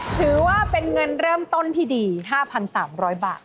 ถือว่าเป็นเงินเริ่มต้นที่ดี๕๓๐๐บาท